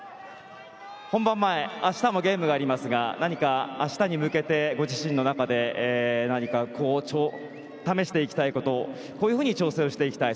本番前、明日もゲームがありますが何か、明日に向けてご自身の中で何か試していきたいことこのように調整していきたい